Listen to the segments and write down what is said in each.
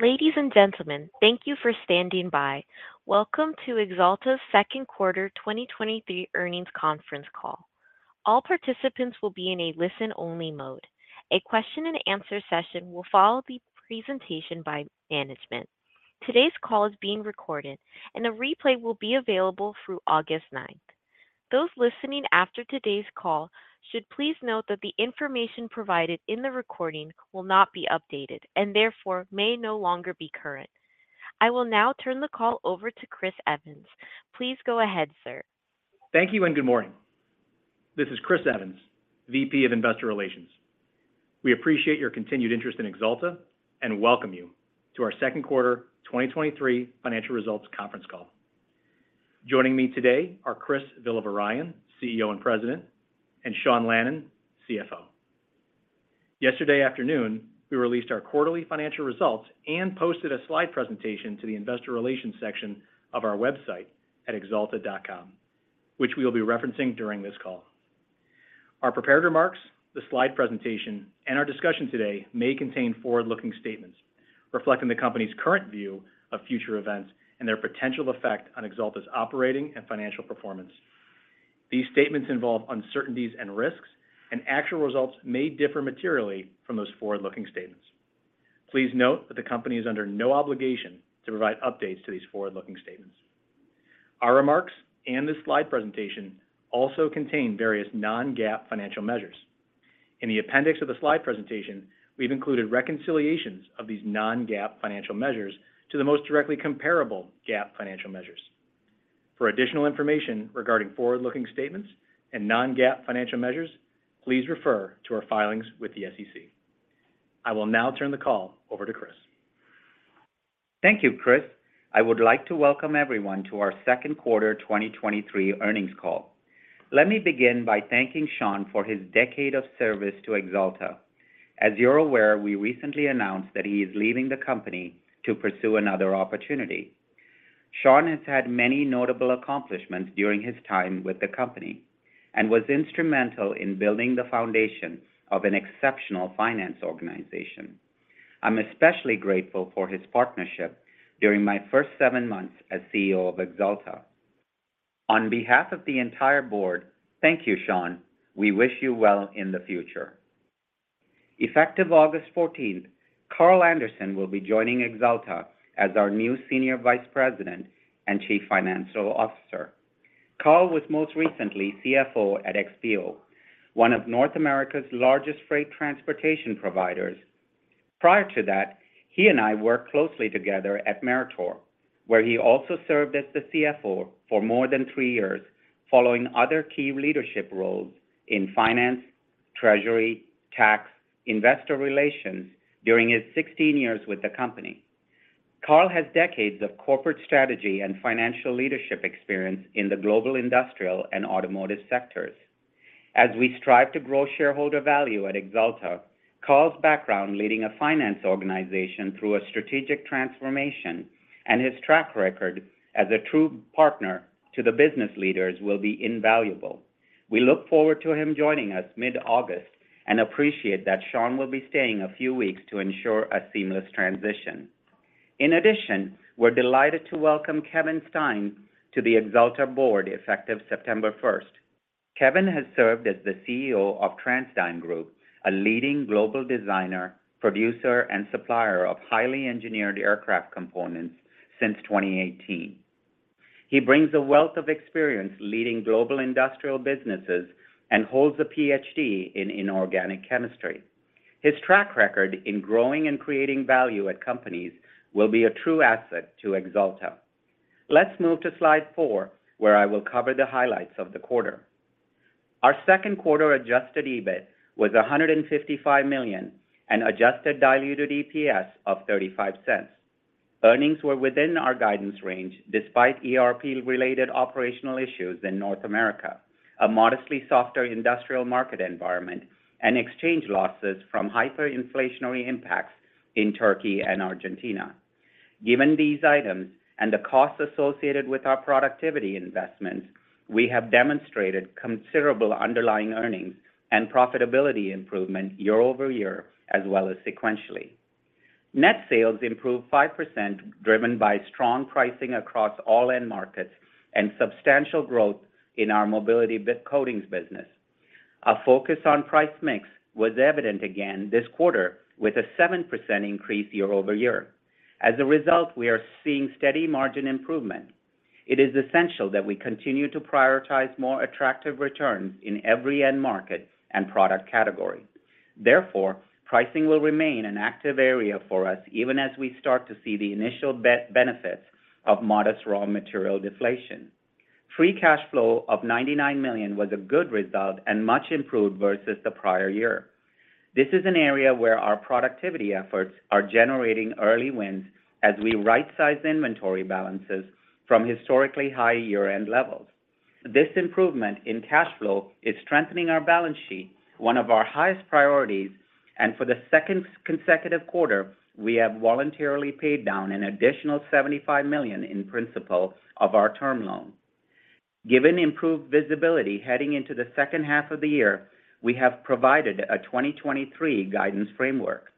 Ladies and gentlemen, thank you for standing by. Welcome to Axalta's Q2 2023 earnings conference call. All participants will be in a listen-only mode. A question and answer session will follow the presentation by management. Today's call is being recorded, and a replay will be available through August 9th. Those listening after today's call should please note that the information provided in the recording will not be updated and therefore may no longer be current. I will now turn the call over to Chris Evans. Please go ahead, sir. Thank you and good morning. This is Chris Evans, VP of Investor Relations. We appreciate your continued interest in Axalta and welcome you to our Q2 2023 financial results conference call. Joining me today are Chris Villavarayan, CEO and President, and Sean Lannon, CFO. Yesterday afternoon, we released our quarterly financial results and posted a slide presentation to the investor relations section of our website at axalta.com, which we will be referencing during this call. Our prepared remarks, the slide presentation, and our discussion today may contain forward-looking statements reflecting the Company's current view of future events and their potential effect on Axalta's operating and financial performance. These statements involve uncertainties and risks, and actual results may differ materially from those forward-looking statements. Please note that the Company is under no obligation to provide updates to these forward-looking statements. Our remarks and the slide presentation also contain various non-GAAP financial measures. In the appendix of the slide presentation, we've included reconciliations of these non-GAAP financial measures to the most directly comparable GAAP financial measures. For additional information regarding forward-looking statements and non-GAAP financial measures, please refer to our filings with the SEC. I will now turn the call over to Chris. Thank you, Chris. I would like to welcome everyone to our Q2 2023 earnings call. Let me begin by thanking Sean for his decade of service to Axalta. As you're aware, we recently announced that he is leaving the company to pursue another opportunity. Sean has had many notable accomplishments during his time with the company and was instrumental in building the foundation of an exceptional finance organization. I'm especially grateful for his partnership during my first seven months as CEO of Axalta. On behalf of the entire board, thank you, Sean. We wish you well in the future. Effective August fourteenth, Carl Anderson will be joining Axalta as our new Senior Vice President and Chief Financial Officer. Carl was most recently CFO at XPO, one of North America's largest freight transportation providers. Prior to that, he and I worked closely together at Meritor, where he also served as the CFO for more than three years, following other key leadership roles in finance, treasury, tax, investor relations during his 16 years with the company. Carl has decades of corporate strategy and financial leadership experience in the global, industrial, and automotive sectors. As we strive to grow shareholder value at Axalta, Carl's background leading a finance organization through a strategic transformation and his track record as a true partner to the business leaders will be invaluable. We look forward to him joining us mid-August and appreciate that Sean will be staying a few weeks to ensure a seamless transition. In addition, we're delighted to welcome Kevin Stein to the Axalta board, effective September 1st. Kevin has served as the CEO of TransDigm Group, a leading global designer, producer, and supplier of highly engineered aircraft components, since 2018. He brings a wealth of experience leading global industrial businesses and holds a PhD in inorganic chemistry. His track record in growing and creating value at companies will be a true asset to Axalta. Let's move to slide 4, where I will cover the highlights of the quarter. Our Q2 adjusted EBIT was $155 million and adjusted diluted EPS of $0.35. Earnings were within our guidance range, despite ERP-related operational issues in North America, modestly softer industrial market environment, and exchange losses from hyperinflationary impacts in Turkey and Argentina. Given these items and the costs associated with our productivity investments, we have demonstrated considerable underlying earnings and profitability improvement year-over-year, as well as sequentially. Net sales improved 5%, driven by strong pricing across all end markets and substantial growth in our Mobility Coatings business. A focus on price mix was evident again this quarter with a 7% increase year-over-year. As a result, we are seeing steady margin improvement. It is essential that we continue to prioritize more attractive returns in every end market and product category. Therefore, pricing will remain an active area for us, even as we start to see the initial benefits of modest raw material deflation. Free cash flow of $99 million was a good result and much improved versus the prior year. This is an area where our productivity efforts are generating early wins as we rightsize inventory balances from historically high year-end levels. This improvement in cash flow is strengthening our balance sheet, one of our highest priorities, and for the second consecutive quarter, we have voluntarily paid down an additional $75 million in principal of our term loan. Given improved visibility heading into the second half of the year, we have provided a 2023 guidance framework.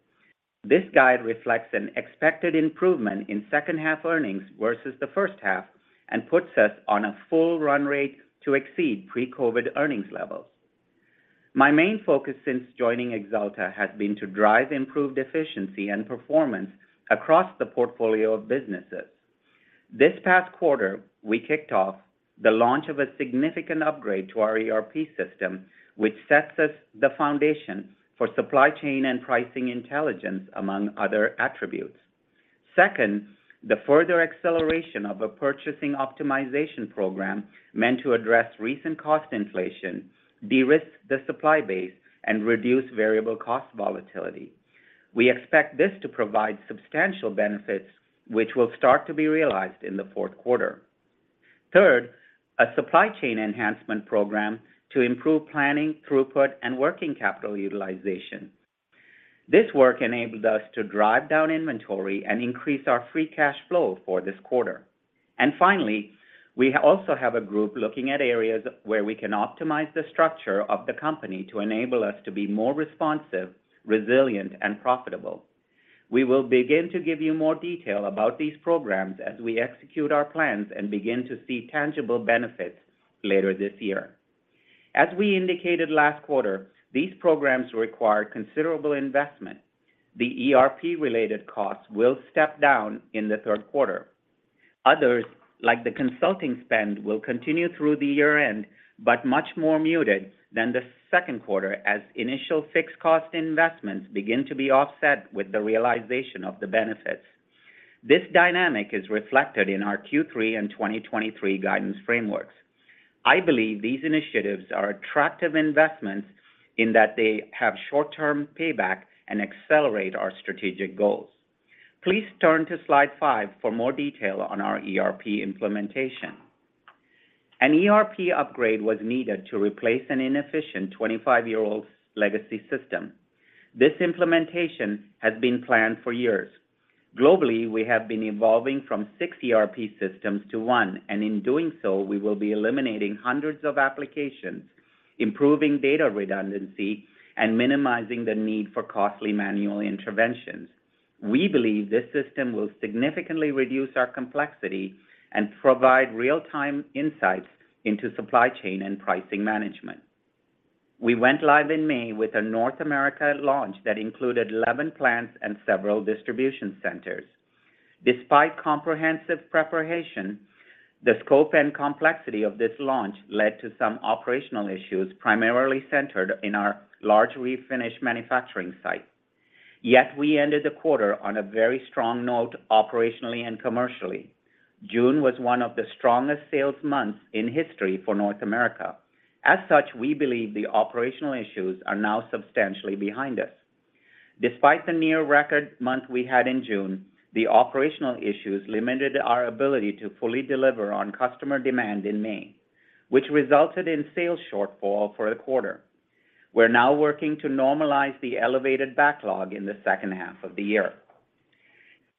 This guide reflects an expected improvement in second half earnings versus the first half, and puts us on a full run rate to exceed pre-COVID earnings levels. My main focus since joining Axalta has been to drive improved efficiency and performance across the portfolio of businesses. This past quarter, we kicked off the launch of a significant upgrade to our ERP system, which sets the foundation for supply chain and pricing intelligence, among other attributes. Second, the further acceleration of a purchasing optimization program meant to address recent cost inflation, de-risk the supply base, and reduce variable cost volatility. We expect this to provide substantial benefits, which will start to be realized in the 4th quarter. Third, a supply chain enhancement program to improve planning, throughput, and working capital utilization. This work enabled us to drive down inventory and increase our free cash flow for this quarter. Finally, we also have a group looking at areas where we can optimize the structure of the company to enable us to be more responsive, resilient, and profitable. We will begin to give you more detail about these programs as we execute our plans and begin to see tangible benefits later this year. As we indicated last quarter, these programs require considerable investment. The ERP-related costs will step down in the 3rd quarter. Others, like the consulting spend, will continue through the year-end, but much more muted than the Q2 as initial fixed cost investments begin to be offset with the realization of the benefits. This dynamic is reflected in our Q3 and 2023 guidance frameworks. I believe these initiatives are attractive investments in that they have short-term payback and accelerate our strategic goals. Please turn to Slide five for more detail on our ERP implementation. An ERP upgrade was needed to replace an inefficient 25-year-old legacy system. This implementation has been planned for years. Globally, we have been evolving from six ERP systems to one, and in doing so, we will be eliminating hundreds of applications, improving data redundancy, and minimizing the need for costly manual interventions. We believe this system will significantly reduce our complexity and provide real-time insights into supply chain and pricing management. We went live in May with a North America launch that included 11 plants and several distribution centers. Despite comprehensive preparation, the scope and complexity of this launch led to some operational issues, primarily centered in our large refinish manufacturing site. We ended the quarter on a very strong note, operationally and commercially. June was one of the strongest sales months in history for North America. As such, we believe the operational issues are now substantially behind us. Despite the near record month we had in June, the operational issues limited our ability to fully deliver on customer demand in May, which resulted in sales shortfall for the quarter. We're now working to normalize the elevated backlog in the second half of the year.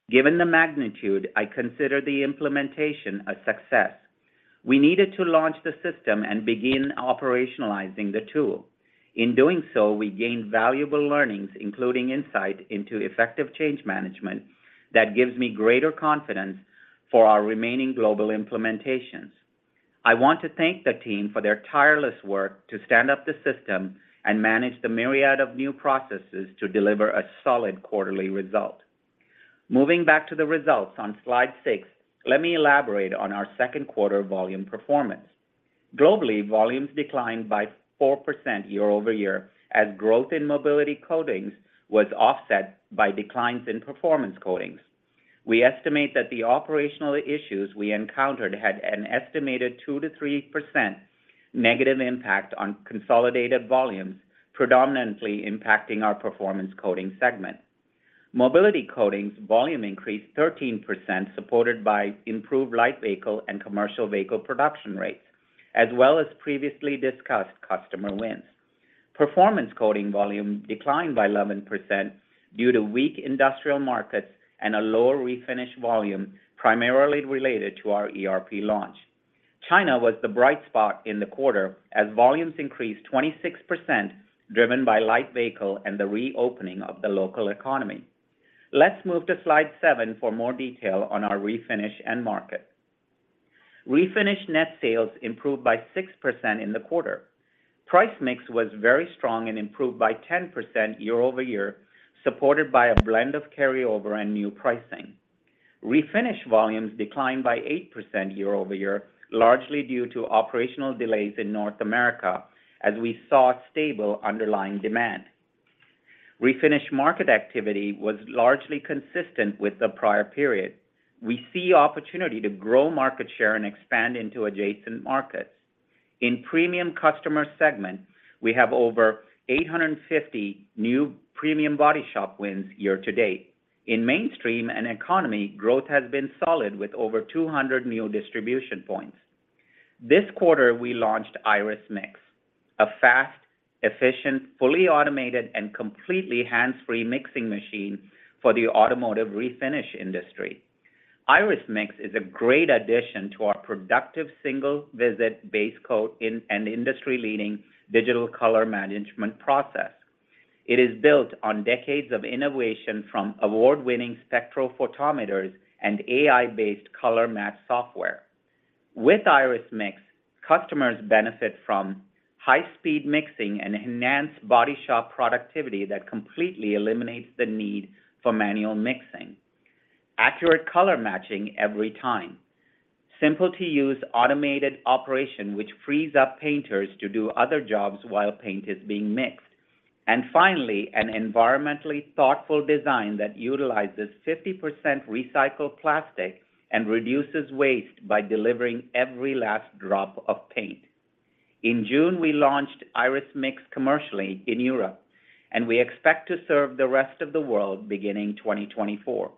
Given the magnitude, I consider the implementation a success. We needed to launch the system and begin operationalizing the tool. In doing so, we gained valuable learnings, including insight into effective change management that gives me greater confidence for our remaining global implementations. I want to thank the team for their tireless work to stand up the system and manage the myriad of new processes to deliver a solid quarterly result. Moving back to the results on Slide 6, let me elaborate on our Q2 volume performance. Globally, volumes declined by 4% year-over-year, as growth in Mobility Coatings was offset by declines in Performance Coatings. We estimate that the operational issues we encountered had an estimated 2%-3% negative impact on consolidated volumes, predominantly impacting our Performance Coating segment. Mobility Coatings volume increased 13%, supported by improved light vehicle and commercial vehicle production rates, as well as previously discussed customer wins. Performance Coatings volume declined by 11% due to weak industrial markets and a lower refinish volume, primarily related to our ERP launch. China was the bright spot in the quarter as volumes increased 26%, driven by light vehicle and the reopening of the local economy. Let's move to Slide 7 for more detail on our refinish end market. Refinish net sales improved by 6% in the quarter. Price mix was very strong and improved by 10% year-over-year, supported by a blend of carryover and new pricing. Refinish volumes declined by 8% year-over-year, largely due to operational delays in North America, as we saw stable underlying demand. Refinish market activity was largely consistent with the prior period. We see opportunity to grow market share and expand into adjacent markets. In the premium customer segment, we have over 850 new premium body shop wins year to date. In mainstream and economy, growth has been solid with over 200 new distribution points. This quarter, we launched Iriss Mix. A fast, efficient, fully automated, and completely hands-free mixing machine for the automotive refinish industry. Iriss Mix is a great addition to our productive single-visit base coat in, and industry-leading digital color management process. It is built on decades of innovation from award-winning spectrophotometers and AI-based color match software. With Iriss Mix, customers benefit from high speed mixing and enhanced body shop productivity that completely eliminates the need for manual mixing, accurate color matching every time, simple to use automated operation, which frees up painters to do other jobs while paint is being mixed. Finally, an environmentally thoughtful design that utilizes 50% recycled plastic and reduces waste by delivering every last drop of paint. In June, we launched Iriss Mix commercially in Europe, and we expect to serve the rest of the world beginning 2024.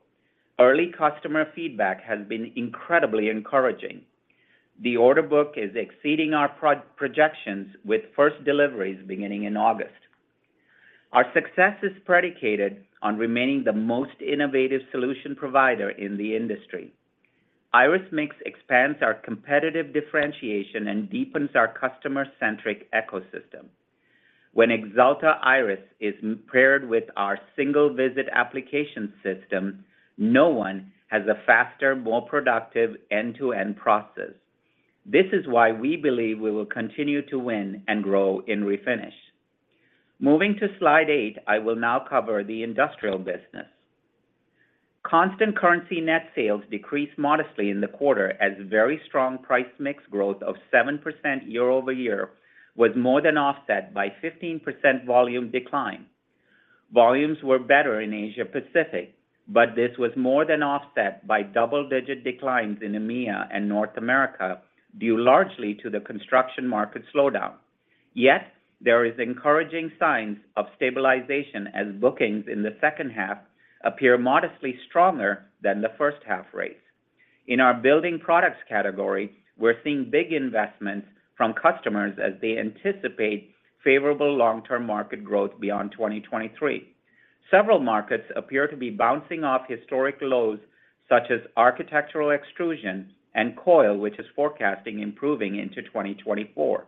Early customer feedback has been incredibly encouraging. The order book is exceeding our projections, with first deliveries beginning in August. Our success is predicated on remaining the most innovative solution provider in the industry. Iriss Mix expands our competitive differentiation and deepens our customer-centric ecosystem. When Axalta Iriss is paired with our single-visit application system, no one has a faster, more productive end-to-end process. This is why we believe we will continue to win and grow in refinish. Moving to Slide 8, I will now cover the industrial business. Constant currency net sales decreased modestly in the quarter as very strong price mix growth of 7% year-over-year was more than offset by 15% volume decline. Volumes were better in Asia Pacific, this was more than offset by double-digit declines in EMEA and North America, due largely to the construction market slowdown. There is encouraging signs of stabilization as bookings in the second half appear modestly stronger than the first half rates. In our building products category, we're seeing big investments from customers as they anticipate favorable long-term market growth beyond 2023. Several markets appear to be bouncing off historic lows, such as architectural extrusions and coil, which is forecasting improving into 2024.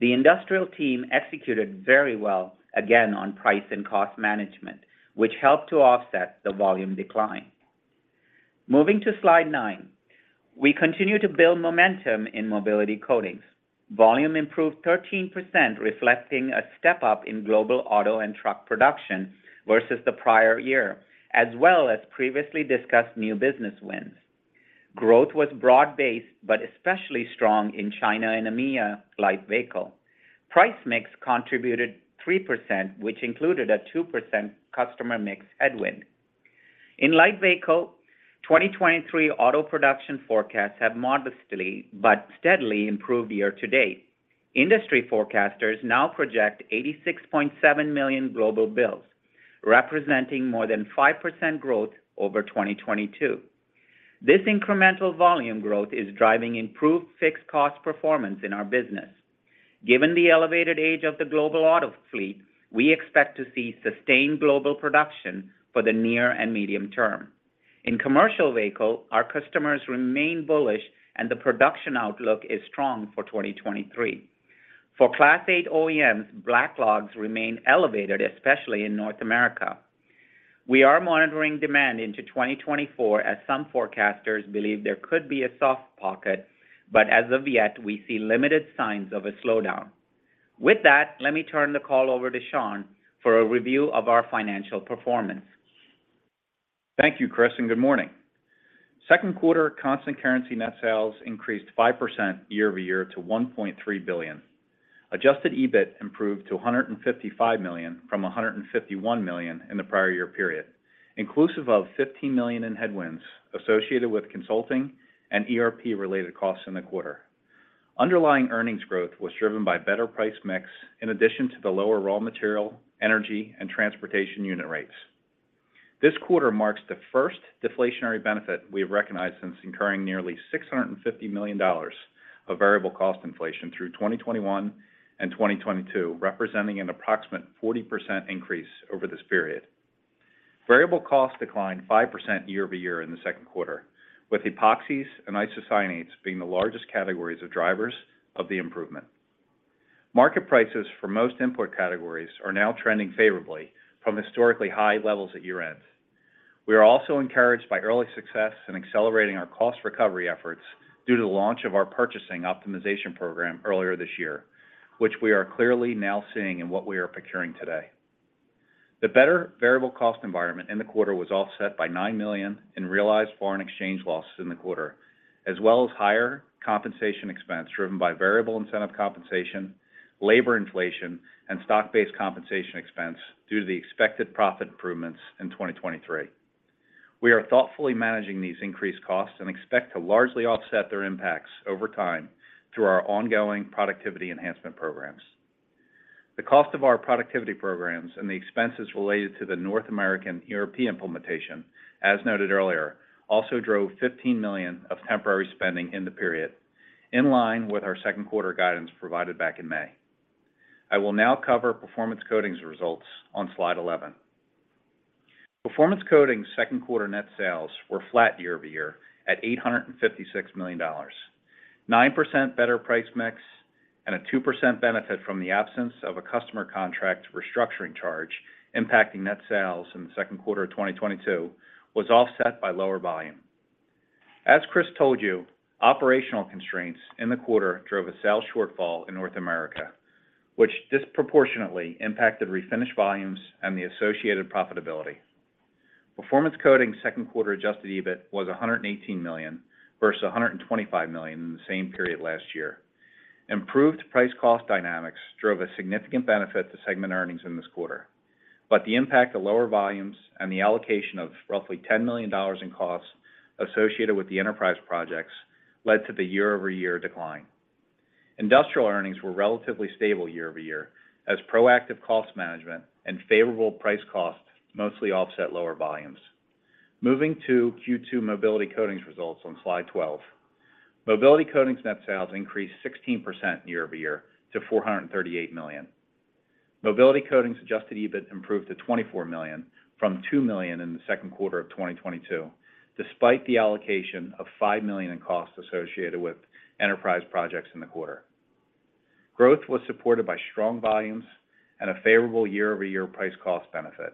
The industrial team executed very well, again, on price and cost management, which helped to offset the volume decline. Moving to Slide 9, we continue to build momentum in Mobility Coatings. Volume improved 13%, reflecting a step up in global auto and truck production versus the prior year, as well as previously discussed new business wins. Growth was broad-based, but especially strong in China and EMEA light vehicle. Price mix contributed 3%, which included a 2% customer mix headwind. In light vehicle, 2023 auto production forecasts have modestly but steadily improved year-to-date. Industry forecasters now project 86.7 million global builds, representing more than 5% growth over 2022. This incremental volume growth is driving improved fixed cost performance in our business. Given the elevated age of the global auto fleet, we expect to see sustained global production for the near and medium term. In commercial vehicle, our customers remain bullish and the production outlook is strong for 2023. For Class 8 OEMs, backlogs remain elevated, especially in North America. We are monitoring demand into 2024, as some forecasters believe there could be a soft pocket. As of yet, we see limited signs of a slowdown. With that, let me turn the call over to Sean for a review of our financial performance. Thank you, Chris, and good morning. Q2 constant currency net sales increased 5% year-over-year to $1.3 billion. Adjusted EBIT improved to $155 million from $151 million in the prior year period, inclusive of $15 million in headwinds associated with consulting and ERP-related costs in the quarter. Underlying earnings growth was driven by better price mix, in addition to the lower raw material, energy, and transportation unit rates. This quarter marks the first deflationary benefit we have recognized since incurring nearly $650 million of variable cost inflation through 2021 and 2022, representing an approximate 40% increase over this period. Variable cost declined 5% year-over-year in the Q2, with epoxies and isocyanates being the largest categories of drivers of the improvement. Market prices for most input categories are now trending favorably from historically high levels at year-end. We are also encouraged by early success in accelerating our cost recovery efforts due to the launch of our purchasing optimization program earlier this year, which we are clearly now seeing in what we are procuring today. The better variable cost environment in the quarter was offset by $9 million in realized foreign exchange losses in the quarter, as well as higher compensation expense driven by variable incentive compensation, labor inflation, and stock-based compensation expense due to the expected profit improvements in 2023. We are thoughtfully managing these increased costs and expect to largely offset their impacts over time through our ongoing productivity enhancement programs. The cost of our productivity programs and the expenses related to the North American European implementation, as noted earlier, also drove $15 million of temporary spending in the period, in line with our 2Q guidance provided back in May. I will now cover Performance Coatings results on slide 11. Performance Coatings 2Q net sales were flat year-over-year at $856 million. 9% better price mix and a 2% benefit from the absence of a customer contract restructuring charge impacting net sales in the 2Q of 2022 was offset by lower volume. As Chris told you, operational constraints in the quarter drove a sales shortfall in North America, which disproportionately impacted refinished volumes and the associated profitability. Performance Coatings Q2 adjusted EBIT was $118 million versus $125 million in the same period last year. Improved price-cost dynamics drove a significant benefit to segment earnings in this quarter, but the impact of lower volumes and the allocation of roughly $10 million in costs associated with the enterprise projects led to the year-over-year decline. Industrial earnings were relatively stable year-over-year, as proactive cost management and favorable price-cost mostly offset lower volumes. Moving to Q2 Mobility Coatings results on Slide 12. Mobility Coatings net sales increased 16% year-over-year to $438 million. Mobility Coatings adjusted EBIT improved to $24 million from $2 million in the Q2 of 2022, despite the allocation of $5 million in costs associated with enterprise projects in the quarter. Growth was supported by strong volumes and a favorable year-over-year price cost benefit.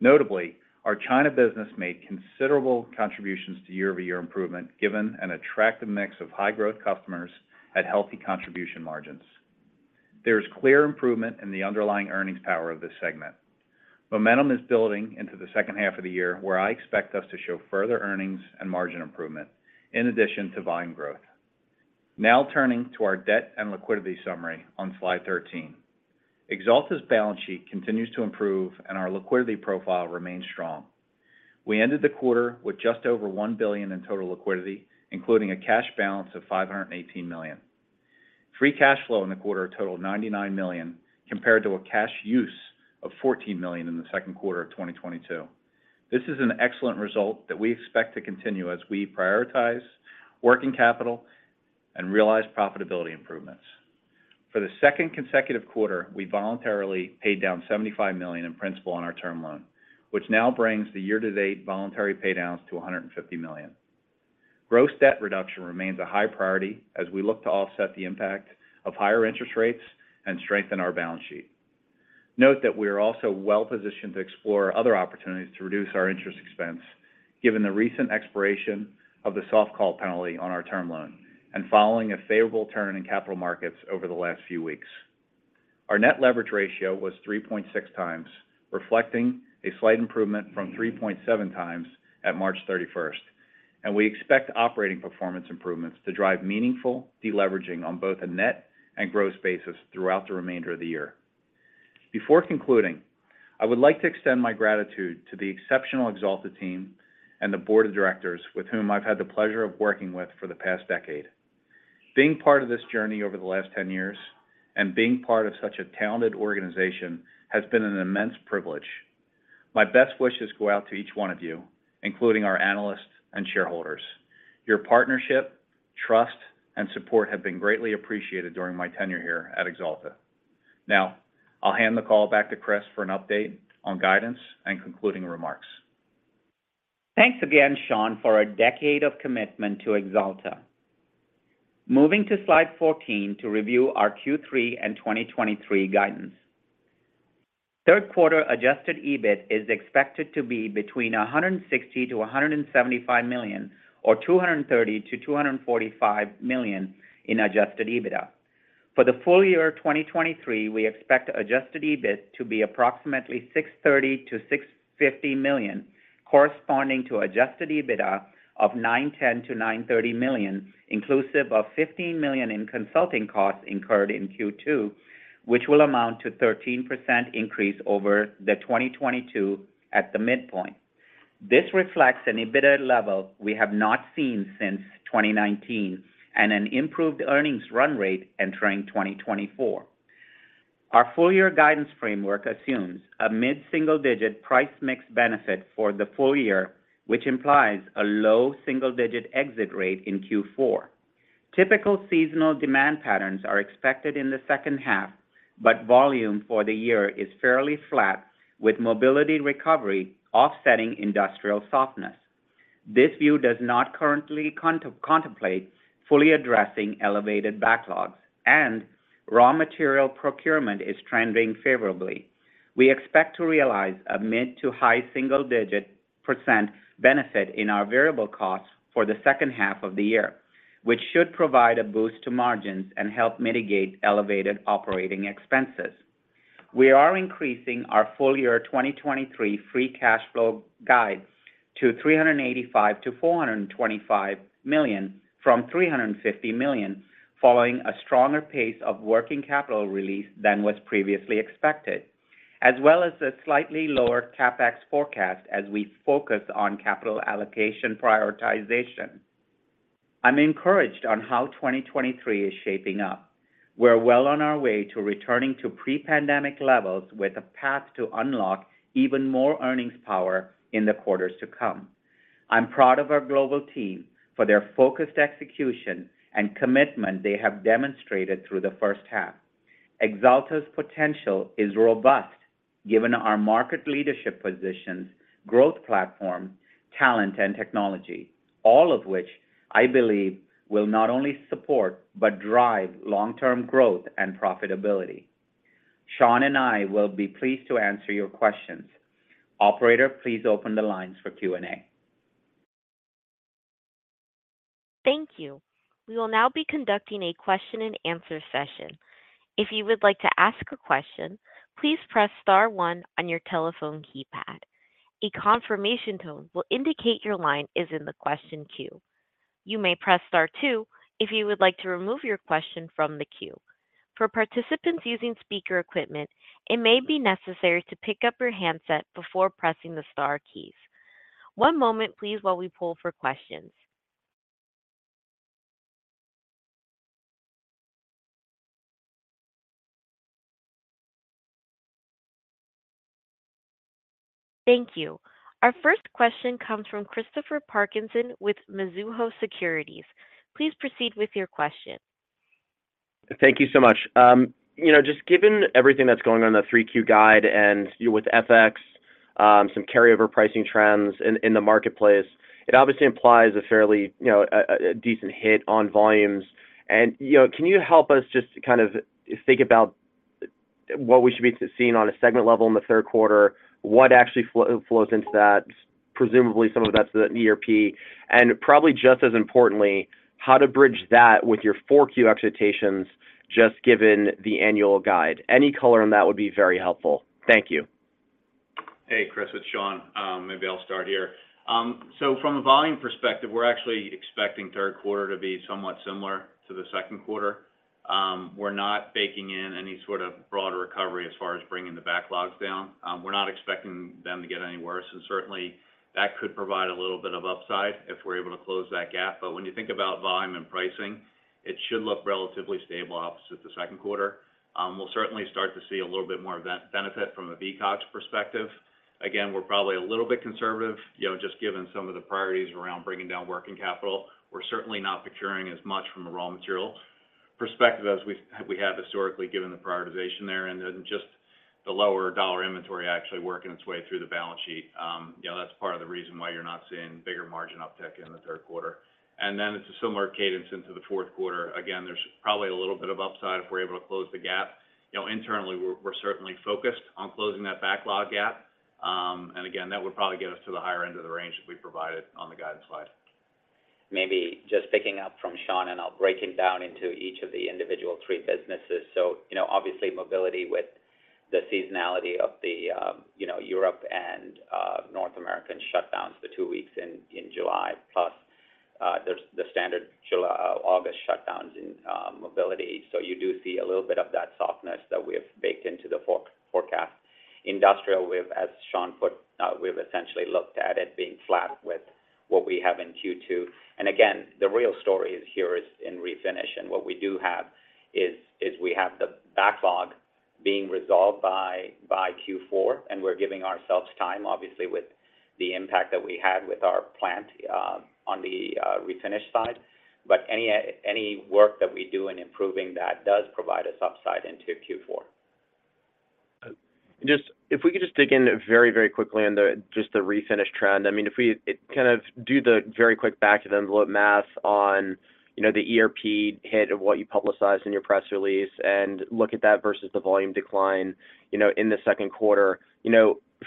Notably, our China business made considerable contributions to year-over-year improvement, given an attractive mix of high-growth customers at healthy contribution margins. There is clear improvement in the underlying earnings power of this segment. Momentum is building into the second half of the year, where I expect us to show further earnings and margin improvement, in addition to volume growth. Now turning to our debt and liquidity summary on Slide 13. Axalta's balance sheet continues to improve, and our liquidity profile remains strong. We ended the quarter with just over $1 billion in total liquidity, including a cash balance of $518 million. Free cash flow in the quarter totaled $99 million, compared to a cash use of $14 million in the Q2 of 2022. This is an excellent result that we expect to continue as we prioritize working capital and realize profitability improvements. For the second consecutive quarter, we voluntarily paid down $75 million in principal on our term loan, which now brings the year-to-date voluntary paydowns to $150 million. Gross debt reduction remains a high priority as we look to offset the impact of higher interest rates and strengthen our balance sheet. Note that we are also well positioned to explore other opportunities to reduce our interest expense, given the recent expiration of the soft call penalty on our term loan and following a favorable turn in capital markets over the last few weeks. Our net leverage ratio was 3.6 times, reflecting a slight improvement from 3.7 times at March thirty-first, and we expect operating performance improvements to drive meaningful deleveraging on both a net and gross basis throughout the remainder of the year. Before concluding, I would like to extend my gratitude to the exceptional Axalta team and the board of directors, with whom I've had the pleasure of working with for the past decade. Being part of this journey over the last 10 years and being part of such a talented organization has been an immense privilege. My best wishes go out to each one of you, including our analysts and shareholders. Your partnership, trust, and support have been greatly appreciated during my tenure here at Axalta. Now, I'll hand the call back to Chris for an update on guidance and concluding remarks. Thanks again, Sean, for a decade of commitment to Axalta. Moving to Slide 14 to review our Q3 and 2023 guidance. Q3 adjusted EBIT is expected to be between $160 million-$175 million or $230 million-$245 million in adjusted EBITDA. For the full year 2023, we expect adjusted EBIT to be approximately $630 million-$650 million, corresponding to adjusted EBITDA of $910 million-$930 million, inclusive of $15 million in consulting costs incurred in Q2, which will amount to 13% increase over the 2022 at the midpoint. This reflects an EBITDA level we have not seen since 2019 and an improved earnings run rate entering 2024. Our full year guidance framework assumes a mid-single-digit price mix benefit for the full year, which implies a low single-digit exit rate in Q4. Typical seasonal demand patterns are expected in the second half, but volume for the year is fairly flat, with mobility recovery offsetting industrial softness. This view does not currently contemplate fully addressing elevated backlogs, and raw material procurement is trending favorably. We expect to realize a mid to high single-digit % benefit in our variable costs for the second half of the year, which should provide a boost to margins and help mitigate elevated operating expenses. We are increasing our full year 2023 free cash flow guide to $385 million-$425 million from $350 million, following a stronger pace of working capital release than was previously expected, as well as a slightly lower CapEx forecast as we focus on capital allocation prioritization. I'm encouraged on how 2023 is shaping up. We're well on our way to returning to pre-pandemic levels, with a path to unlock even more earnings power in the quarters to come. I'm proud of our global team for their focused execution and commitment they have demonstrated through the first half. Axalta's potential is robust, given our market leadership positions, growth platform, talent, and technology, all of which I believe will not only support, but drive long-term growth and profitability. Sean and I will be pleased to answer your questions. Operator, please open the lines for Q&A. Thank you. We will now be conducting a question-and-answer session. If you would like to ask a question, please press star one on your telephone keypad. A confirmation tone will indicate your line is in the question queue. You may press star two if you would like to remove your question from the queue. For participants using speaker equipment, it may be necessary to pick up your handset before pressing the star keys. One moment, please, while we pull for questions. Thank you. Our first question comes from Christopher Parkinson with Mizuho Securities. Please proceed with your question. Thank you so much. Just given everything that's going on in the 3Q guide and with FX, some carryover pricing trends in, in the marketplace, it obviously implies a fairly a decent hit on volumes. can you help us just to kind of think about what we should be seeing on a segment level in the Q3? What actually flows into that? Presumably, some of that's the ERP, and probably just as importantly, how to bridge that with your 4Q expectations, just given the annual guide. Any color on that would be very helpful. Thank you. Hey, Chris, it's Sean. maybe I'll start here. From a volume perspective, we're actually expecting Q3 to be somewhat similar to the Q2. We're not baking in any sort of broader recovery as far as bringing the backlogs down. We're not expecting them to get any worse, and certainly that could provide a little bit of upside if we're able to close that gap. When you think about volume and pricing, it should look relatively stable opposite the Q2. We'll certainly start to see a little bit more of that benefit from a VCOGS perspective. Again, we're probably a little bit conservative just given some of the priorities around bringing down working capital. We're certainly not procuring as much from a raw material perspective as we, we have historically, given the prioritization there, and then just the lower dollar inventory actually working its way through the balance sheet. That's part of the reason why you're not seeing bigger margin uptick in the Q3. It's a similar cadence into the Q4. Again, there's probably a little bit of upside if we're able to close the gap. internally, we're, we're certainly focused on closing that backlog gap. Again, that would probably get us to the higher end of the range that we provided on the guidance slide. Maybe just picking up from Sean, and I'll break it down into each of the individual three businesses. So obviously, Mobility with the seasonality of the, Europe and North American shutdowns, the two weeks in July, plus there's the standard July, August shutdowns in Mobility. So you do see a little bit of that softness that we have baked into the forecast. Industrial, we've, as Sean put, we've essentially looked at it being flat with what we have in Q2. And again, the real story is here is in Refinish, and what we do have is, is we have the backlog being resolved by Q4, and we're giving ourselves time, obviously, with the impact that we had with our plant, on the Refinish side. Any work that we do in improving that does provide us upside into Q4. Just if we could just dig in very, very quickly on the, just the refinish trend. I mean, if we, it kind of do the very quick back-of-the-envelope math on the ERP hit of what you publicized in your press release and look at that versus the volume decline in the Q2.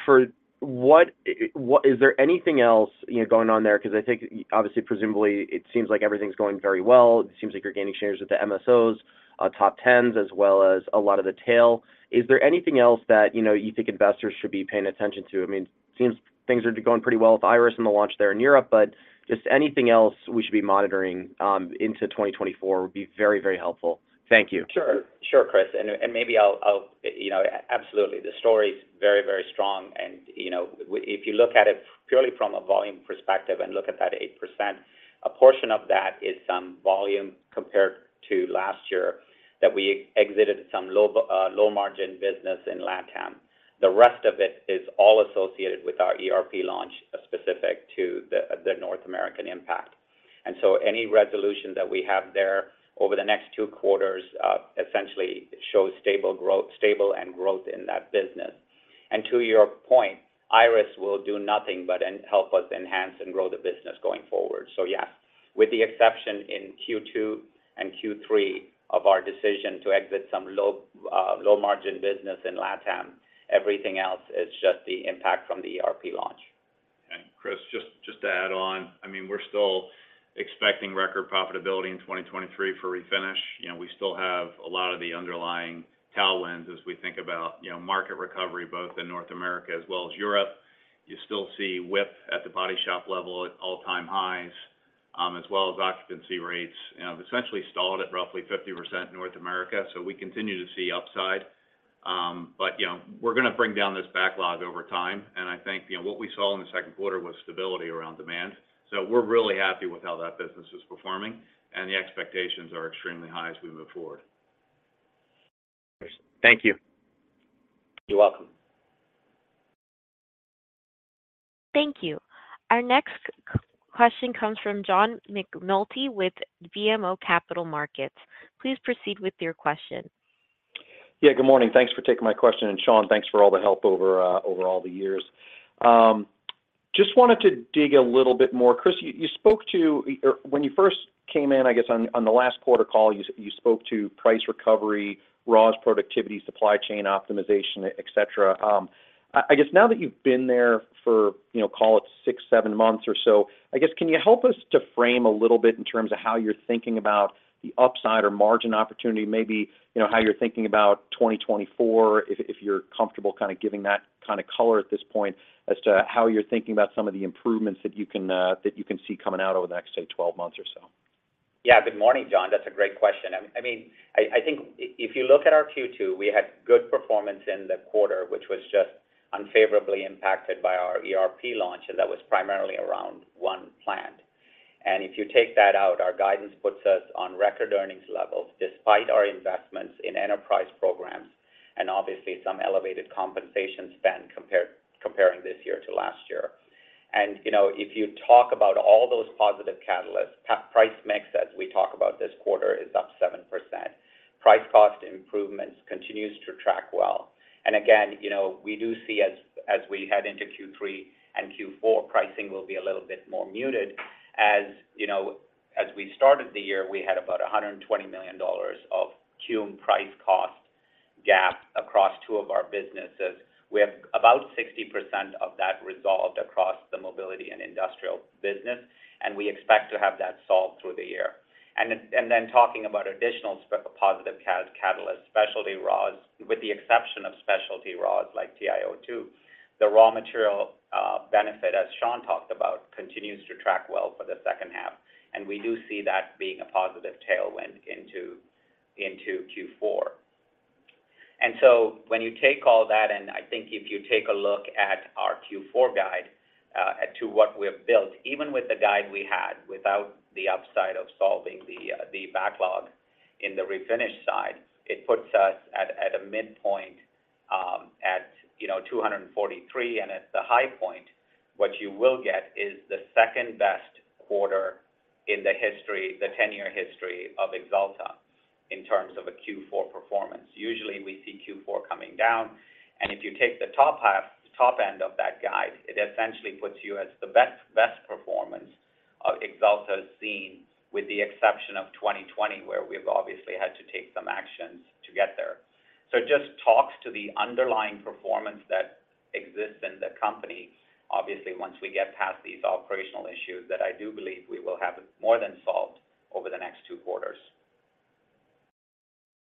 for what, is there anything else going on there? Because I think obviously, presumably, it seems like everything's going very well. It seems like you're gaining shares with the MSOs, top tens, as well as a lot of the tail. Is there anything else that you think investors should be paying attention to? I mean, it seems things are going pretty well with Iriss and the launch there in Europe, but just anything else we should be monitoring into 2024 would be very, very helpful. Thank you. Sure. Chris. maybe I'll absolutely, the story is very, very strong, and if you look at it purely from a volume perspective and look at that 8%, a portion of that is some volume compared to last year that we exited some low-margin business in LatAm. The rest of it is all associated with our ERP launch, specific to the, the North American impact. Any resolution that we have there over the next 2 quarters, essentially shows stable growth, stable and growth in that business. To your point, Iriss will do nothing but help us enhance and grow the business going forward. With the exception in Q2 and Q3 of our decision to exit some low-margin business in LatAm, everything else is just the impact from the ERP launch. Chris just to add on, I mean, we're still expecting record profitability in 2023 for refinish. we still have a lot of the underlying tailwinds as we think about market recovery, both in North America as well as Europe. You still see WIP at the body shop level at all-time highs, as well as occupancy rates have essentially stalled at roughly 50% North America. We continue to see upside. but we're gonna bring down this backlog over time, and I think what we saw in the Q2 was stability around demand. We're really happy with how that business is performing, and the expectations are extremely high as we move forward. Thank you. You're welcome. Thank you. Our next question comes from John McNulty with BMO Capital Markets. Please proceed with your question. Good morning. Thanks for taking my question, and Sean, thanks for all the help over all the years. Just wanted to dig a little bit more. Chris, you, you spoke to, or when you first came in, I guess, on, on the last quarter call, you spoke to price recovery, raws, productivity, supply chain optimization, et cetera. I guess now that you've been there for call it 6, 7 months or so, I guess, can you help us to frame a little bit in terms of how you're thinking about the upside or margin opportunity, maybe how you're thinking about 2024, if, if you're comfortable kinda giving that kind of color at this point, as to how you're thinking about some of the improvements that you can, that you can see coming out over the next, say, 12 months or so? Good morning, John. That's a great question. I mean, I think if you look at our Q2, we had good performance in the quarter, which was just unfavorably impacted by our ERP launch, and that was primarily around 1 plant. If you take that out, our guidance puts us on record earnings levels, despite our investments in enterprise programs and obviously some elevated compensation spend comparing this year to last year. if you talk about all those positive catalysts, price mix, as we talk about this quarter, is up 7%. Price cost improvements continue to track well. again we do see as we head into Q3 and Q4, pricing will be a little bit more muted. As we started the year, we had about $120 million of cum price cost gap across two of our businesses. We have about 60% of that resolved across the Mobility and industrial business, and we expect to have that solved through the year. Talking about additional positive catalysts, specialty raws. With the exception of specialty raws, like TIO2, the raw material benefit, as Sean talked about, continues to track well for the second half, and we do see that being a positive tailwind into, into Q4. When you take all that, and I think if you take a look at our Q4 guide to what we have built, even with the guide we had, without the upside of solving the backlog in the refinish side, it puts us at a midpoint $243. At the high point, what you will get is the second-best quarter in the 10-year history of Axalta, in terms of a Q4 performance. Usually, we see Q4 coming down, and if you take the top half, top end of that guide, it essentially puts you as the best, best performance Axalta has seen, with the exception of 2020, where we've obviously had to take some actions to get there. It just talks to the underlying performance that exists in the company. Obviously, once we get past these operational issues, that I do believe we will have it more than solved over the next 2 quarters.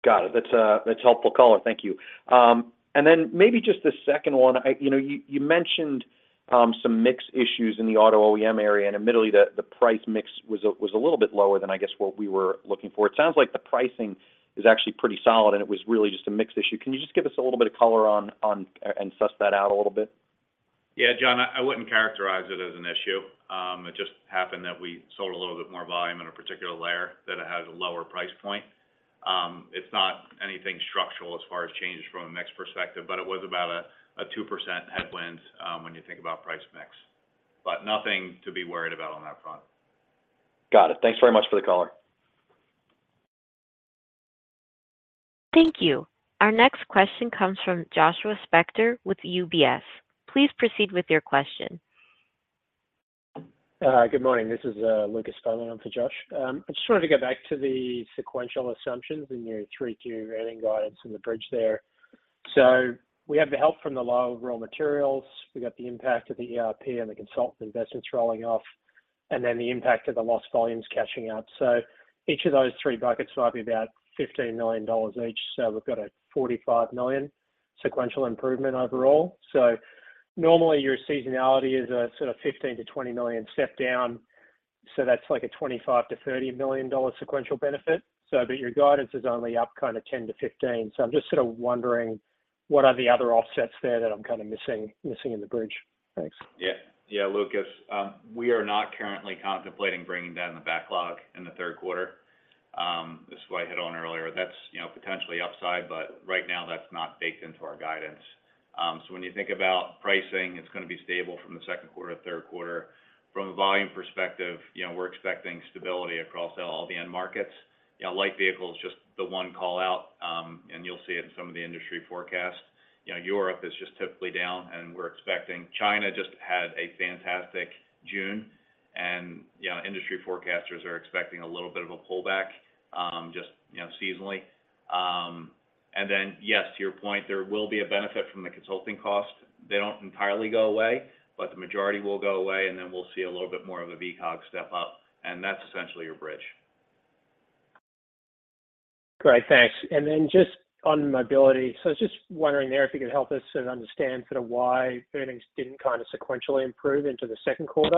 Got it. That's a, that's helpful color. Thank you. Then maybe just the second one. you, you mentioned, some mix issues in the auto OEM area, and admittedly, the, the price mix was a, was a little bit lower than, I guess, what we were looking for. It sounds like the pricing is actually pretty solid, and it was really just a mix issue. Can you just give us a little bit of color on, on, and suss that out a little bit? John I wouldn't characterize it as an issue. It just happened that we sold a little bit more volume in a particular layer that it has a lower price point. It's not anything structural as far as changes from a mix perspective, but it was about a 2% headwind when you think about price mix, but nothing to be worried about on that front. Got it. Thanks very much for the color. Thank you. Our next question comes from Joshua Spector with UBS. Please proceed with your question. Good morning. This is Lucas filling in for Josh. I just wanted to go back to the sequential assumptions in your 3-tier earning guidance and the bridge there. We have the help from the low raw materials. We got the impact of the ERP and the consultant investments rolling off, and then the impact of the lost volumes catching up. Each of those 3 buckets might be about $15 million each, so we've got a $45 million sequential improvement overall. Normally, your seasonality is a sort of $15 million-$20 million step down, so that's like a $25 million-$30 million sequential benefit. But your guidance is only up kind of $10 million-$15 million. I'm just sort of wondering, what are the other offsets there that I'm kind of missing, missing in the bridge? Thanks. Lucas, we are not currently contemplating bringing down the backlog in the Q3. This is what I hit on earlier. that's potentially upside, but right now, that's not baked into our guidance. When you think about pricing, it's gonna be stable from the Q2 to Q3. From a volume perspective we're expecting stability across all the end markets. light vehicle is just the one call out, and you'll see it in some of the industry forecasts. Europe is just typically down, and China just had a fantastic June, and industry forecasters are expecting a little bit of a pullback, just seasonally. Then, yes, to your point, there will be a benefit from the consulting cost. They don't entirely go away, but the majority will go away, and then we'll see a little bit more of a VCOG step up, and that's essentially your bridge. Great, thanks. Just on Mobility, just wondering there if you could help us sort of understand sort of why earnings didn't kind of sequentially improve into the Q2?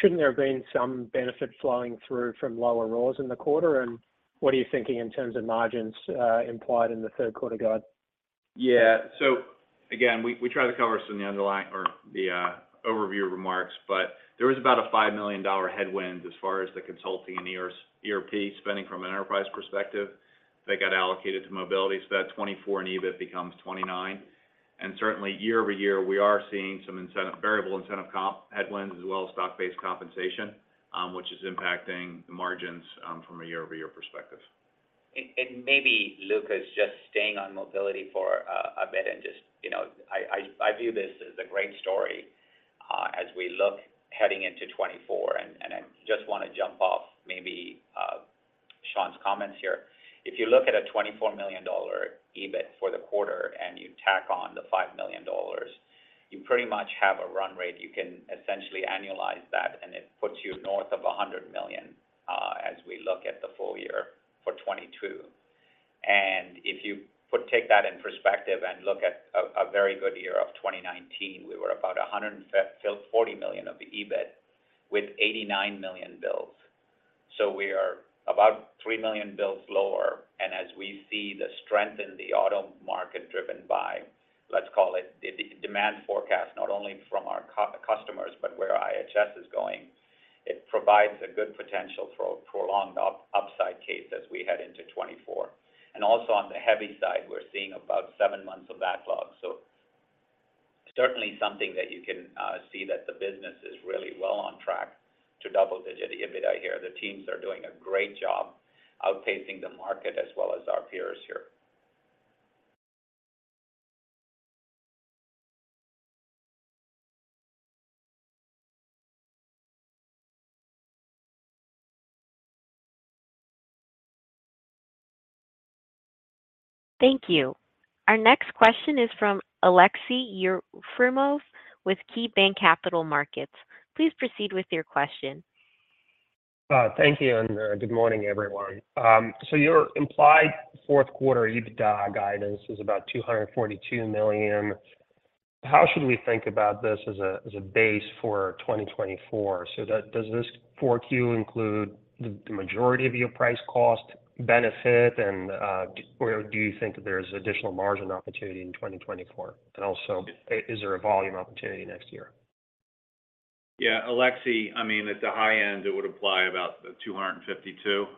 Shouldn't there have been some benefit flowing through from lower raws in the quarter? What are you thinking in terms of margins, implied in the Q3 guide? Again, we, we tried to cover some the underlying or the overview remarks, but there was about a $5 million headwind as far as the consulting and ERP spending from an enterprise perspective. They got allocated to Mobility, so that $24 million in EBIT becomes $29 million. Certainly year-over-year, we are seeing some incentive, variable incentive comp headwinds, as well as stock-based compensation, which is impacting the margins from a year-over-year perspective. Maybe, Lucas, just staying on mobility for a bit and just I view this as a great story, as we look heading into 2024. I just want to jump off maybe, Sean Lannon's comments here. If you look at a $24 million EBIT for the quarter and you tack on the $5 million, you pretty much have a run rate. You can essentially annualize that, and it puts you north of $100 million, as we look at the full year for 2022. If you take that in perspective and look at a very good year of 2019, we were about $140 million of the EBIT, with $89 million bills. We are about $3 million bills lower. As we see the strength in the auto market driven by, let's call it the, the demand forecast, not only from our customers, but where IHS is going, it provides a good potential for a prolonged upside case as we head into 2024. Also on the heavy side, we're seeing about 7 months of backlog. Certainly something that you can see that the business is really well on track to double-digit EBITDA here. The teams are doing a great job outpacing the market as well as our peers here. Thank you. Our next question is from Aleksey Yuferev with KeyBanc Capital Markets. Please proceed with your question. Thank you, good morning, everyone. Your implied Q4 EBITDA guidance is about $242 million. How should we think about this as a base for 2024? Does this 4Q include the majority of your price cost benefit, or do you think that there's additional margin opportunity in 2024? Is there a volume opportunity next year? Aleksey, I mean, at the high end, it would apply about the $252